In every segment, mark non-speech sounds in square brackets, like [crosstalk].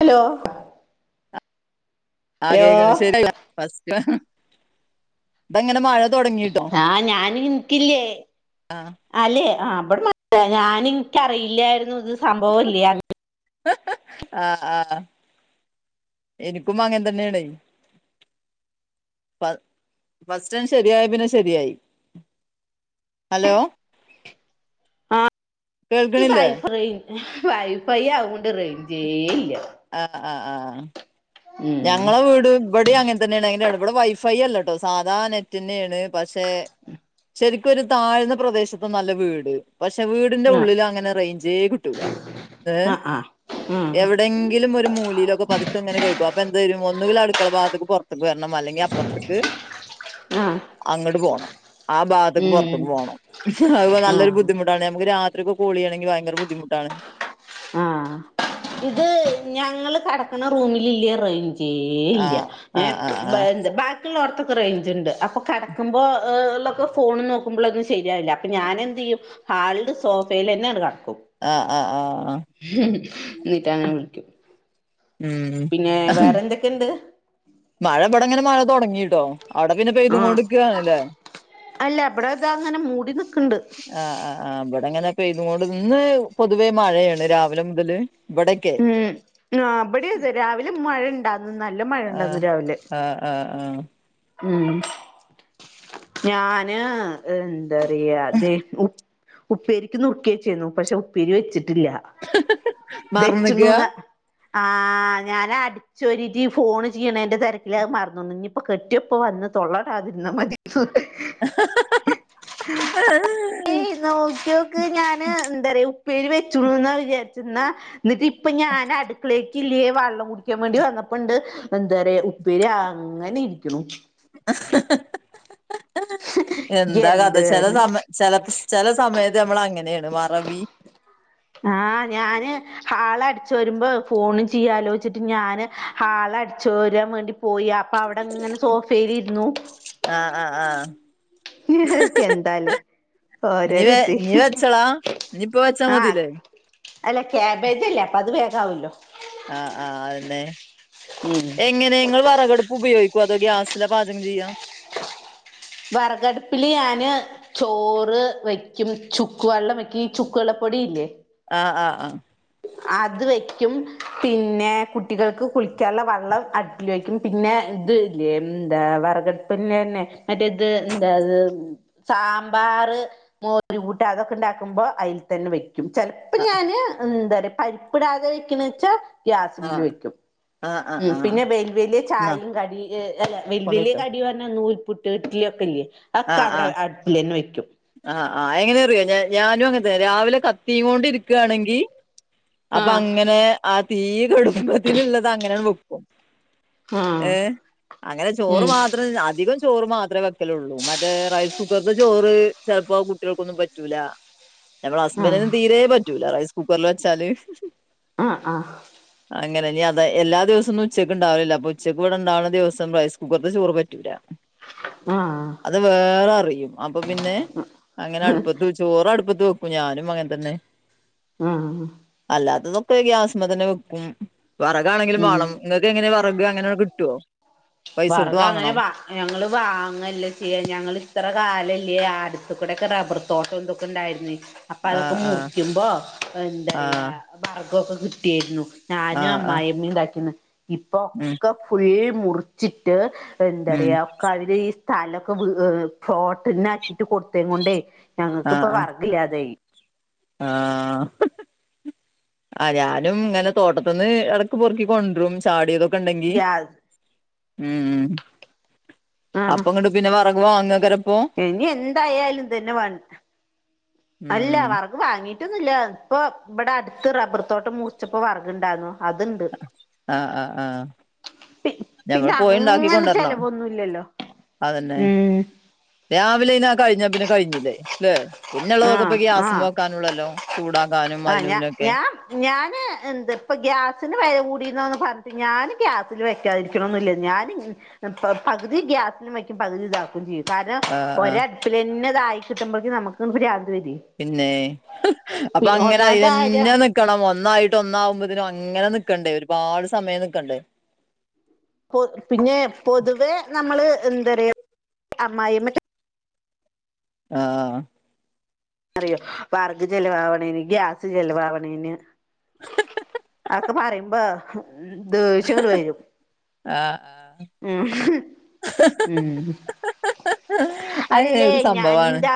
Hello ആഹാ hello കേക്ണ്ട് ശെരിക്ക് [unintelligible] ഫസ്റ്റ് ഇപ്പെങ്ങനെ മഴ തൊടങ്ങിട്ടോ? ആഹ് ഞാന് ഇനക്കില്ലേ ആഹാ അല്ലെ ആഹ് ഇബടെ മഴല്ല ഞാന് ഇൻക്കറിയില്ലായിരുന്നു ഇത് സംഭവല്ല്യോന്ന് ആഹ ആഹ എനിക്കുംമങ്ങനെ തന്നേണ് ഫസ് ഫസ്റ്റാഡ് ശെരിയായ പിന്നെ ശെരിയായി ഹലോ? ആഹ് ഈ കേൾക്കണില്ലേ വൈഫ്രൈ വൈഫൈയായോണ്ട് റെയ്ഞ്ചേയില്ല ആഹ ആ് ആഹ ഉം ഞങ്ങളെ വീടും ഇവടീം അങ്ങൻതന്നെണ് അയ്ന്റെ ഇമ്പടെ വൈഫൈ അല്ലട്ടോ സാധാ നെറ്റ്ന്നേണ് പക്ഷെ ശെരിക്കൊരു താഴ്ന്ന പ്രദേശത്തൊന്നുവല്ല വീട് പക്ഷെ വീടിന്റെ ആഹ് ഉള്ളില് അങ്ങനെ റെയ്ഞ്ചേ കിട്ടൂല ഏ് ഹ് ആഹ് ആഹ് എവിടെങ്കിലും ഒരു മൂലിയിലൊക്കെ പോ പത്ക്കെങ്ങനെ കേൾക്കും അപ്പൊ എന്ത് വെരും ഒന്നുങ്കില് അട്ക്കള ഭാത്ത്ക്ക് പൊറത്തക് വെരണം അല്ലെങ്കി അപ്പറത്ത്ക്ക് ആഹ് ആഹ് അങ്ങട്ട് പോണം ആ ഭാത്ത്ക്ക് ഉം പൊർത്ത്ക്ക് പോണം അഹ്പ്പൊ നല്ലൊരു ആഹ് ബുദ്ധിമു ട്ടാണ് ഞമ്മക്ക് രാത്രിയൊക്കെ കോളയ്യെണെങ്കി വയങ്കര ബുദ്ധിമുട്ടാണ് ആഹ് ഇത് ഞങ്ങള് കെടകണ റൂമിലില്ല്യ റെയ്ഞ്ച് ആ തീരേയില്ല്യ ആ ആ ആ ബാക്കിള്ളൊട്ത്തൊക്കെ റെയ്ഞ്ച്ണ്ട് അപ്പ കട്ക്കുമ്പോളക്കെ ഫോണ് നോക്കുമ്പളൊന്നും ശെരിയാവില്ല അപ്പ ഞാനെന്തെയ്യും ഹാൾഡ് സോഫേലെന്നങ്ങട്ട് കട്ക്കും ആഹ ആ് ആ ആ നീട്ടങ്ങനെ വിളിക്കും ഉം പിന്നെ വേറെന്തെക്കെണ്ട്? മഴ ഇമ്പടെങ്ങനെ മഴ തൊടങ്ങീട്ടോ അവിടെ പിന്നെ ആഹ് പെയ്തുംകോണ്ട്ക്കാണ്ല്ലേ? അല്ല ഇബടെതാ ഇങ്ങനെ മൂടി നിക്ക്ണ്ട് ആ് ആ ആ് ഇടെങ്ങനെ പെയ്തുങ്ങോണ്ട് ഇന്ന് പൊതുവെ മഴയേണ് രാവിലെ മുതല് ഇവിടൊക്കെ ഉം ങ്ങാ ഇബടിയതെ രാവിലെ മഴണ്ടാര്ന്ന് നല്ല മഴണ്ടാർന്ന് രാവിലെ ആഹ ആഹ ആഹ ഉംഹ് ഞാന് എന്തെറിയാ ദേ ഉ പ്പേരിക്ക് നുർക്കിയെച്ചേന്നു പക്ഷെ ഉപ്പേരി വെച്ചിട്ടില്ല്യ മറന്നക്കാ വെച്ചിണൂന്നാ ആ് ഞാന അടിച്ചൊരിട്ട് ഫോണ് ചെയ്യ്ണേന്റെ തെരക്കില് അഹ് മറ്ന്നൂന്നു ഇഞ്ഞ്പ്പൊ കെട്ടിയോപ്പം വന്ന് തൊള്ളടാതിര്ന്ന മതി [inaudible] ഏയ് നോക്കിയോക്ക് ഞാന് എന്തറിയാ ഉപ്പേരി വെച്ചൂണുന്നാ വിചാരിച്ച് ന്നാ ഇന്നിട്ടിപ്പ ഞാനട്ക്കളേക്ക്ല്ലേ വള്ളം കുടി ക്കാ ബേണ്ടി വന്നപ്പണ്ട് എന്തറിയാ ഉപ്പേരി അങ്ങനെയിരിക്ണൂ എന്താ കഥ ചെല എന്താണ് സമയ ചെല സമയത്ത് നമ്മളങ്ങനേണ് മറവി ആഹാ ഞാന് ഹാള് അടിച്ച് വരുമ്പോ ഫോണും ചെയ്യലോച്ചിട്ട് ഞാന് ഹാള് അടിച്ചോരാം വേണ്ടി പോ യി അപ്പൊ അവടങ്ങനെ സോഫേലിരുന്നു ആഹ് ആഹ് ആഹ ക്കെ എന്താലെ? നീ ഓരേരോ വെ ഇതെ നീ വെച്ചളാ നീ ഇപ്പ വെച്ചാ ആഹ് മതില്ലേ അല്ല കാബേജല്ലേ അപ്പൊ അത് വേഗാവൊല്ലൊ? ആഹ് ആഹ് അതെന്നെ ഉം എ ങ്ങനെ ഇങ്ങള് വെറകടുപ്പ് ഉപയോഗിക്കോ? അതോ ഗ്യാസിലാ പാചകം ചെയ്യാ? വെറകടുപ്പില് ഞാന് ചോറ് വെയ്ക്കും, ചുക്ക് വെള്ളം വെക്കും, ഈ ചുക്ക് വെള്ളപ്പൊടിയില്ലേ? ആഹ് ആഹ് ആഹ് അത് വെക്കും പിന്നെ കുട്ടികൾക്ക് കുളിക്കാനുള്ള വെള്ളം അടുപ്പ് പ്പില് വേക്കും പിന്നെ ഇത് ലെ എന്താ വിറകടപ്പ് തന്നെ മറ്റേത് എന്താത് സാമ്പാറ് മോരുകൂട്ടാൻ അതൊക്കെ ഉണ്ടാക്കുമ്പോ അതിൽ തന്നെ വെക്കും ചെലപ്പോ ആഹ് ഞാന് എന്താ പറയാ പരിപ്പിടാതെ വെക്കണ് വെച്ചാ ആഹ് ഗ്യാസില് വെക്കും ആഹ് ആഹ് ഉം ആഹ് ആഹ് പിന്നെ വെല്ല വലിയ ന്നാ ചായയും കടി വെല്ല വലിയ കൊണ്ടോയിട്ടോ കടിയന്ന് പറഞ്ഞ നൂൽപുട്ട് ഇഡ്ലി ഒക്കെല്ലേ ഒക്കെ ആഹ് അവിടെ ആഹ് അടുപ്പില് തന്നെ വെക്കും ആഹ് ആഹ് എങ്ങന അറിയോ ഞാനും അങ്ങനെ തന്നെ രാവിലെ കത്തി കൊണ്ട് ഇരിക്കുകയാണെങ്കിൽ അപ്പ ആഹ് അങ്ങനെ ആഹ് തി കെടുംബെത്തന്നുള്ളത് അങ്ങനെയ വെക്കും ആഹ് ഏഹ് അങ്ങനെ ചോറ് ഉം മാത്ര ത്രം അധികം ചോറ് മാത്രമേ വെക്കലുള്ളൂ മറ്റേ റൈസ് കുക്കറില് ചോറ് ചിലപ്പോ കുട്ടികൾക്കൊന്നും പറ്റൂലാ ഞമ്മുടെ ആഹ് ഹസ്ബൻഡിനും തീരെ പറ്റൂല റൈസ് കൂക്കറില് വെച്ചാല് ആഹ് ആഹ് അങ്ങനെ ഇനി അത് എല്ലാ ദിവസന്നൊം ഉച്ചക്ക് ഉണ്ടാവില്ല അപ്പ ഉച്ചക്ക് ഇവിടെണ്ടാവുന്ന ദിവസം റൈസ് കുക്കറിൽ ചോറ് പറ്റൂല ആഹ് അത് വേഗം അറിയും അപ്പൊ പിന്നെ അങ്ങനെ അടുപ്പത്ത് ചോറ് അടുപ്പത്ത് വെക്കും ഞാനും അങ്ങനെ തന്നെ ആഹ് അല്ലാത്തതൊക്കെ ഗ്യാസ്മെ തന്നെ വെക്കും വെറകാണെങ്കിലും ഉം വേണം ങ്ങനെ വിറക് അങ്ങനെയൊക്ക കിട്ടുവോ പൈസ കൊടുത്ത് വിറക് വാങ്ങണോ അങ്ങനെ വാ ഞങ്ങള് വാങ്ങലല്ല ചെയ്യാ ഞങ്ങ ഇത്ര കാലല്ലേ അടുത്ത കൂടെക്കെ റബർ തോട്ടക്കെ ഉണ്ടായിരുന്നില്ലേ അപ്പൊ അതൊക്കെ ആഹ് ആഹ് മുറിക്കുമ്പോ എന്താ പറയാ ആഹ് വിറക്ക്കെ കിട്ടിയായിരുന്നു ഞാനും ആഹ് ആഹ് അമ്മായിഅമ്മയും ഉണ്ടാക്കിന്ന് ഇപ്പൊ ഉം ഒക്കെ ഫുള്ള് മുറി ച്ചിട്ട് ഉം എന്താറയാ അവര് ഈ സ്ഥലോക്കെ ഫ്ളോട്ടിന് ആക്കിട്ട് കൊടുത്തേകൊണ്ടേ ഞങ്ങൾക്ക് ആഹ് ഇപ്പ ആഹ് വേർക് ഇല്ലത്തെ ആയി ആഹ് ആഹ് ഞാനും ഇങ്ങനെ തോട്ടത്തി നിന്ന് ഇടക്ക് പൊറുക്കി കൊണ്ടരും ചാടിയതൊക്കെ ഉണ്ടെങ്കി ഗ്യാസ് ഉം ആഹ് അപ്പ ഇങ്ങട്ട് പിന്നെ വിറക് വാങ്ങുകര ഇപ്പൊ ഇനി എന്തായാലും ഇത് തന്നെ മതി അല്ല ഉം വിറക് വാങ്ങിയിട്ടൊന്നും ഇല്ല ഇപ്പൊ ഇവിടെ അടുത്ത് റബ്ബർ തോട്ടം മുറിച്ചപ്പോ വിറക് ഇണ്ടാരുന്ന് അതുണ്ട് ആഹ് ആഹ് ആഹ് പിന്നെ ഞമ്മള് പോയി ഉണ്ടാക്കി അങ്ങനെ കൊണ്ടുവരണം ചെലവൊന്നുമില്ലല്ലോ ഉം രാവിലെന്ന് ആഹ് കഴിഞ്ഞ പിന്നെ കഴിഞ്ഞില്ലേ അല്ലെ പിന്നെള്ളതൊക്കെ ആഹ് പോ ആഹ് ഗ്യാസ്മ്മേക്കാനുള്ളല്ലോ ചൂടാക്കാനും ആഹ് അതിനു ഞാ ഇതിനൊക്കെ ഞാൻ ഞാന് എന്ത് ഇപ്പ ഗ്യാസിന് വില കൂടിന്ന് പറഞ്ഞിട്ട് ഞാന് ഗ്യാസില് വ ക്കാത്തരിക്കണില്ല ഞാൻ പകുതി ഗ്യാസില് വയ്ക്കും പകുതി ഇതാക്കുകയും ചെയ്തു കാരണം ആ ആ ഒര് അടുപ്പിൽ തന്നെ ഇത് ആയി കിട്ടുമ്പോഴേക്കും നമുക്ക് പ്രാന്ത് വരുവെ പിന്നെ അപ്പൊ അങ്ങനെ കാര്യം അയിതെന്നെ നിക്കണം ഒന്നായിട്ട് ഒന്നാവുമ്പോതേനും അങ്ങനെ നിക്കണ്ടേ ഒരുപാട് സമയം നിക്കണ്ടേ പിന്നെ പൊതുവെ നമ്മള് എന്താ പറയാ അമ്മായിയമ്മ ആഹ് അറിയോ വറക് ചിലവാവണേന് ഗ്യാസ് ചിലവാവണേന് അതക്കെ പറയുമ്പോ ദേഷ്യങ്ങട്ട് വരും ആ ആ ഉം ഉം അത് അല്ലേ ഒരു ഞാൻ സംഭവാണ് എന്താ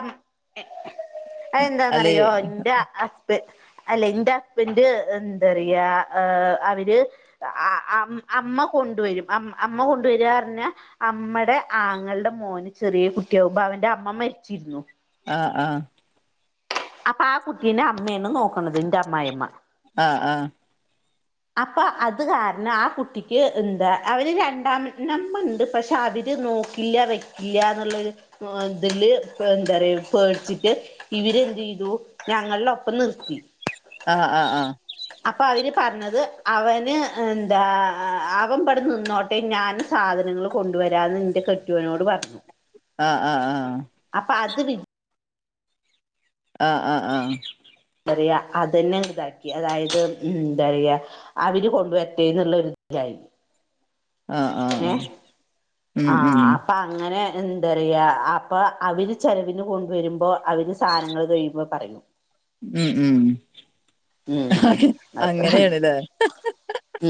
അല്ലേ അതെന്താന്നറിയോ എന്റെ അല്ലെ എന്റെ ഹുസ്ബൻഡ് എന്താ പറയാ അവര് ആ അ അം അമ്മ കൊണ്ടുവരും അമ്മ കൊണ്ടുവരാറ്ഞ്ഞ അമ്മടെ ആങ്ങൾടെ മോന് ചെറിയ കുട്ടിയാകുമ്പോ അവൻന്റെ അമ്മ മരിച്ചിരുന്നു ആഹ് ആഹ് അപ്പൊ ആ കുട്ടീനെ അമ്മയാണ് നോക്കണത് ന്റെ അമ്മായിമ്മ ആഹ് ആഹ് അപ്പൊ അത് കാരണം ആ കുട്ടിക്ക് ന്താ അവര് രണ്ടാം നമ്മണ്ട് പക്ഷെ അവര് നോക്കി ഇല്ല വെക്കില്ല ന്നുള്ളര് മൊതല് എന്താ റ് യ പേടിച്ചിട്ട് ഇവരെന്ത് ചെയ്തു ഞങ്ങളുടെ ഒപ്പം നിർത്തി ആഹ് ആഹ് ആഹ് അപ്പൊ അവര് പറഞ്ഞത് അവന് ന്താ അവൻ ബടെ നിന്നോട്ടെ ഞാൻ സാധനങ്ങളും കൊണ്ടുവരാന്ന് ന്റെ കെട്ടിയോനോട് പറഞ്ഞു ആഹ് ആഹ് ആഹ് അപ്പ അത് ആഹ് ആഹ് ആഹ് ന്താ റ് യ അതന്നെ ഇതാക്കി അതായത് ന്താ റ് യ അവര് കൊണ്ടുവര്റ്റേ ന്ന്ള്ള ഒരു [unintelligible] യി ആഹ് ആഹ് ആഹ് ഉം ഉം ഉം അപ്പം അങ്ങനെ എന്താറയ അപ്പ അവര് ചെലവിന് കൊണ്ടുവരുമ്പോ അവര് സാനങ്ങൾ കഴിയുമ്പോ പറയും ഉം ഉം ഉം അത്ര അങ്ങനെണ് ല്ലേ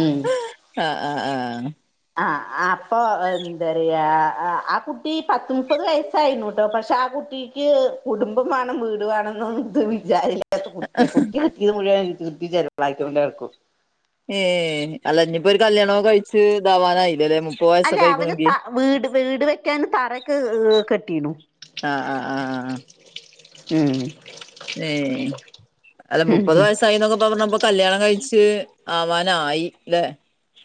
ഉം ആഹ് ആഹ് ആഹ് ആഹ് അപ്പൊ എന്താ റയാ ആ കുട്ടി പത്ത മുപ്പത് വയസ്സായിന്നുട്ടോ പക്ഷെ ആ കുട്ടി ക്ക് കുടുംബം വേണം വീട് വേണം ന്നെത് വിചാരില്ല ത്രക്ക് ബുദ്ധിയാ കുട്ടി [unintelligible] ചെറ്പ്രായത്തില് കൊണ്ടടക്കും ഏഹ് അല്ല ഞ്ഞിപ്പോ ഒരു കല്യാണൊക്കെ കഴിച്ചച്ച് ഇതാവാനായില്ലല്ലേ മു അല്ല അവന് ത വീട് വീട് വെക്കാൻ തറക്കെ ഏഹ് കെട്ടീണു ആഹ് ആഹ് ആഹ് ഉം ഏഹ് അല്ല മുപ്പത് ഉം വയസായിന്നൊക്കെ പറഞ്ഞപ്പൊ കല്യാണം കഴിച്ച് ആവാനായി അല്ലെ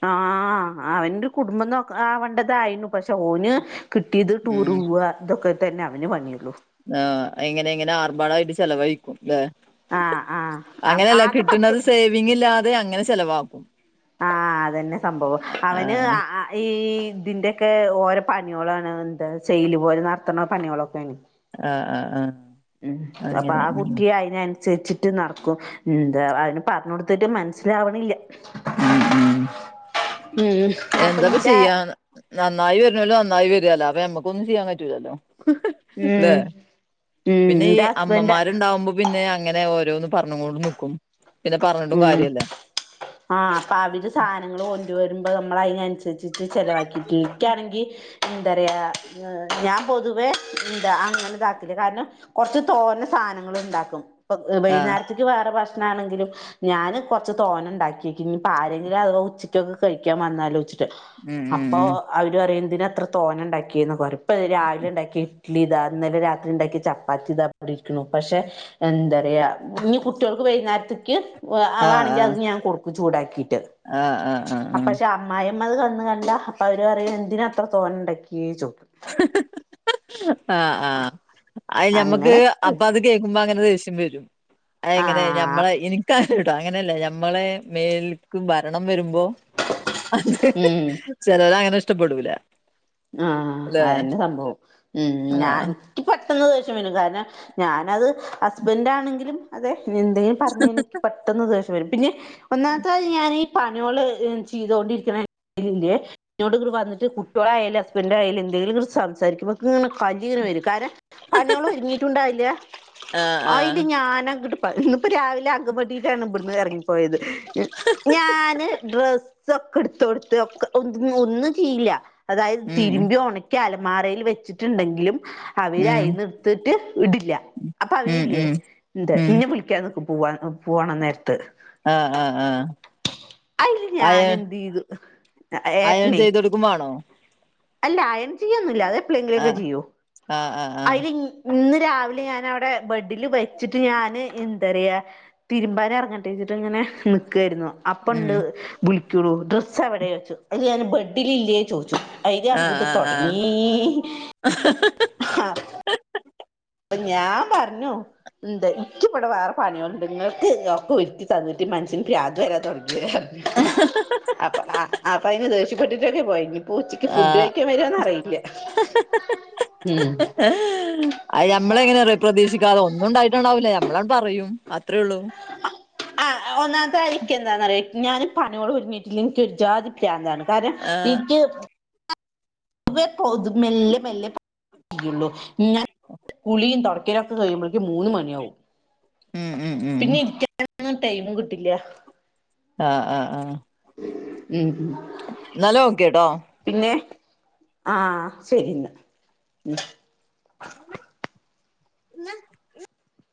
ആഹ് അവന് ഒരു കുടുംബം ന്നോക്ക ആവണ്ടതായിരുന്നു പക്ഷെ ഓന് കിട്ടിയത് ഉം ടൂറ് പൂവ്വ ഇതൊക്കെ തന്നെ അവന് പണിയുള്ളൂ ആഹ് എങ്ങനെ എങ്ങനെ ആർബാടായിട്ട് ചെലവഴിക്കും ല്ലെ ആഹ് ആഹ് ആകെ പത്ത് വിങ്ങില്ലാതെ അങ്ങനെ ചെലവാക്കും ആഹ് അതന്നെ സംഭവം അവന് ആഹ് ആ ഈ ഇതിന്റെക്കെ ഓരോ പണിയോളാണ് എന്താ സെയില് പോലെ നടത്തണ പണിയോളൊക്കെണ് ആഹ് ആഹ് ആഹ് ഉം അപ്പൊ അങ്ങനെ ആ ഉം കുട്ടി അയിനനുസരിച്ചി റ്റ് നടക്കും എന്താ അയിന് പറഞ്ഞൊട്ത്തിട്ട് മനസ്സിലാവണില്ല ഉം ഉം ഉം അപ്പൊ എന്തപ്പ ഇന്റെ ചെയ്യാ ന്ന ന്ന നന്നായി വരുന്നോല് നന്നായി വരോലോ അപ്പൊ നമ്മക്കൊന്നും ചെയ്യാൻ പറ്റൂലല്ലോ ഉം ല്ലെ ഉം പിന്നെ ഈ എന്റെ ഹസ്ബൻഡ് അമ്മമാരുണ്ടാവുമ്പോ പിന്നെ അങ്ങനെ ഓരോന്ന് പറഞ്ഞ്ങ്ങോടും നിക്കും പിന്നെ പറഞ്ഞിട്ടും ഉം കാര്യല്ല ആഹ് അപ്പൊ അവര് സാനങ്ങൾ കൊണ്ട് വരുമ്പോ നമ്മൾ അയിനനുസ രിച്ചിട്ട് ചിലവാക്കിട്ടി ഇക്കാണെങ്കിൽ എന്താ റയ ഞാൻ പൊതുവേ എന്താ അങ്ങനെ ഇതാക്കല്ല കാരണം കൊറച്ച് തോനെ സാനങ്ങൾ ഇണ്ടാക്കും. ഇപ്പൊ ആഹ് വൈന്നേരത്ത്ക്ക് വേറെ ഭക്ഷണം ആണെങ്കിലും ഞാന് കൊറച്ച് തോനെ ഉണ്ടാക്കി വക്കും. ഇനി ആരെങ്കിലും അഥവാ ഉച്ചിക്കൊക്കെ കഴിക്കാൻ വന്നാലോ ച്ച് ട്ട് ഉം ഉം അപ്പൊ ഉം അവര് പറയും എന്തിനാ ഇത്ര തോനെ ഉണ്ടാക്കിയെന്ന് പറയും. ഇപ്പ രാവിലെ ഉണ്ടാക്കിയ ഇഡ്ലി ഇതാ ഇന്നലെ രാത്രി ഉണ്ടാക്കിയ ചപ്പാത്തി ഇതാ രിക്ക്ണു പക്ഷെ എന്തറിയാ ഇനി കുട്ടികൾക്ക് വൈകുന്നേരത്ത് ക്ക് ആഹ് അവാണെങ്കിൽ അത് ആഹ് ഞാൻ കൊടുക്കും ചൂടാക്കിയിട്ട് ആഹ് ആഹ് ആഹ് അപ്പ ആം പക്ഷെ അമ്മായിമ്മ അത് വന്ന് കണ്ടാ അപ്പൊ അവര് പറയും എന്തിനാ അത്ര തോന്നയുണ്ടാക്കിയെ ചോദി ആഹ് ആഹ് അയ്യ് ഞമ്മക്ക് അങ്ങനെ അപ്പൊ അത് കേക്കുംമ്പോ അങ്ങനെ ദേഷ്യം വെരും അയെങ്ങനെ ആഹ് നമ്മളെ ഇനി ക്ക അങ്ങന വിട അങ്ങനല്ല ഞമ്മളെ മേല്ക്ക് ഭരണം വെരുംമ്പോ അത് ഉം ചെലര് അങ്ങനെ ഇഷ്ടപ്പെടൂല ആ ല്ലെ അയന്നെ സംഭവം ഉം ഞാൻ ആഹ് നിക്ക് പെട്ടെന്ന് ദേഷ്യം വെരും കാരണം ഞാനത് ഹസ്ബൻഡാണെങ്കിലും അതെ എന്തെങ്കിലും പറഞ്ഞാ എനിക്ക് പെട്ടെന്ന് ദേഷ്യം വെരും പിന്നെ ഒന്നാമത്തെ കാര്യം ഞാന് പണികള് ചെയ്തോണ്ടിരിക്കണേ ഇതിലില്ലേ കുട്ട്യോള്ട് ഇങട്ട് വന്നിട്ട് കുട്ട്യോള് ആയെ ഇൻ്റെ ഹസ്ബൻഡായാലും എന്തേലുങട്ട് സംസാരിക്കുമ്പോ ഇക്ക് കലി ഇങ്ങന വെരും കാര പണികള് ഒരുങ്ങിട്ടുണ്ടാവില്ല ആഹ് അയില് ആഹ് ഞാൻ അങ്ങട്ട് പ്പ ഇന്നിപ്പ രാവിലെ അം ഇജ്ജാണ് ഇവിടുന്ന് എറങ്ങിപ്പോയത് ഞാന് ഡ്രസ്സൊ ക്കെ എടുത്ത് കൊടുത്ത് ഒക്കെ ഒ ഒന്നും ചെയ്യില്ല അതായിത് ഉം തിരുമ്പി ഒണ ക്കി അലമാരയിൽ വെച്ചിട്ടുണ്ടെങ്കിലും അവര് ഉം അയ്ന്ന് എടുത്തിട്ട് ഇടില്ല അപ്പൊ ഉം അവരില്ലേ ഉം എന്ത് ഉം എന്നെ വിളിക്കാൻ നിക്കും പൂവാനും പോവോണം നേരത്ത് ആഹ് ആഹ് ആഹ് അയില് ഞാൻ അയൺ എന്ത് ചെയ്തു അയൺ ഏട്ടനെ ചെയ്തോടു ക്കും വേണോം അല്ല അയണ് ചെയ്യൊന്നില്ല അത് എപ്പളെങ്കിലൊക്കെ ആഹ് ചെയ്യൂ ആഹ് ആഹ് ആഹ് അയിലി ഇന്ന് രാവിലെ ഞാനവിടെ ബെഡില് വെച്ചിട്ട് ഞാന് എന്തറയാ തിരുമ്പാനറങ്ങ ഫുഡ് കഴിച്ചിട്ട് ഇങ്ങനെ നിക്കാരുന്നു അപ്പൊ ഉണ്ട് ഉം വിളിക്കുണു ഡ്രസ്സ് എവിടെ വെച്ചു അല്ലേ ഞാന് ബെഡിലില്ലേ ചോദിച്ചു അയില് ആഹ് അങ്ങട്ട് ആഹ് ആഹ് തൊടങ്ങീ ഹാ അപ്പ ഞാൻ പറഞ്ഞു എന്താ ഇക്ക് ഇവിടെ വേറെ പണികളുണ്ട് ഇങ്ങൾക്ക് ഒറക്ക ഒരുക്കി തന്നിട്ട് മന്ഷ്യന് ഭ്രാന്ത് വരാൻ തൊടങ്ങി അപ്പ ആ അപ്പ അയ്ന് ദേഷ്യപ്പെട്ടിട്ടന്നെ പോയത് ഊച്ചക്ക് ഫുഡ് ആഹ് കഴിക്കാൻ വരോന്ന് അറിയില്ല ഉം അയ് നമ്മൾ എങ്ങനെന്നറിയോ പ്രതീക്ഷിക്കാതെ ഒന്നുണ്ടായിട്ടുണ്ടാവില്ല ഞമ്മളാണ്ട് പറയും അത്രേള്ളൂ ആ ഒന്നാമത്തെ കാര്യം നിക്ക് എന്താന്നറിയോ ഞാൻ പണികളൊരുങ്ങീട്ടില്ലങ്കി എനിക്കൊരു ജാതി പ്രാന്താണ് കാരണം ആഹ് എനിക്ക് പൊതുവേ മെല്ലെ മെല്ലെ പ ഇള്ളൂ ഞാൻ കുളിയും തൊട കുളിക്കലൊക്കെ കരീംമ്പരേക്കും മൂന്ന് മണിയാവും ഉം ഉം ഉം പിന്നെ ഇരിക്ക [unintelligible] നൊന്നും ടൈമും കിട്ടില്ല ആഹ് ആഹ് ആഹ് മ് ന്നാല് ഒക്കെട്ടോ പിന്നെ ആഹ് ശരി ന്നാ എന്ന